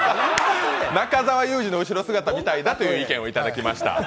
中澤佑二の後ろ姿みたいだという意見をいただきました。